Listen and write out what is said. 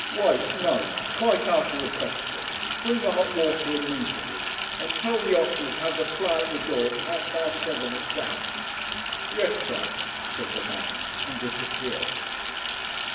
'Wait! no; quite out of the question bring the hot water immediately and tell the ostler to have the fly at the door at half past seven exact.' 'Yes, sir,' said the man, and disappeared.